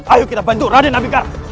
ayo kita bantu raden nabikar